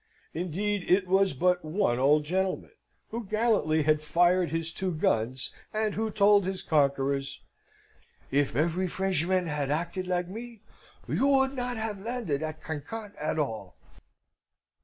Indeed, he was but one old gentleman, who gallantly had fired his two guns, and who told his conquerors, "If every Frenchman had acted like me, you would not have landed at Cancale at all."